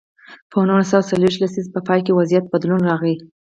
په نولس سوه څلویښت لسیزې په پای کې وضعیت کې بدلون راغی.